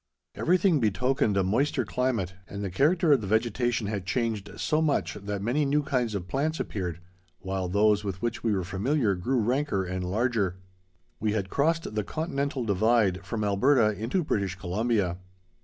Everything betokened a moister climate, and the character of the vegetation had changed so much that many new kinds of plants appeared, while those with which we were familiar grew ranker and larger. We had crossed the continental divide, from Alberta into British Columbia.